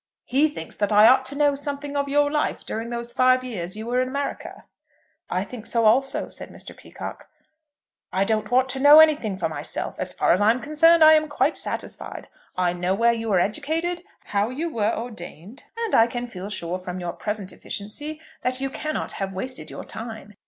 "He thinks that I ought to know something of your life during those five years you were in America." "I think so also," said Mr. Peacocke. "I don't want to know anything for myself. As far as I am concerned, I am quite satisfied. I know where you were educated, how you were ordained, and I can feel sure, from your present efficiency, that you cannot have wasted your time.